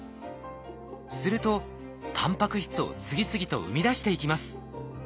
するとタンパク質を次々と生み出していきます。